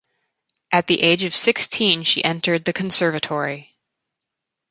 At the age of sixteen she entered the conservatory.